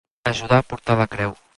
Ajudar a portar la creu.